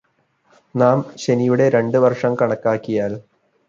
നാം ശനിയുടെ രണ്ട് വർഷം കണക്കാക്കിയാൽ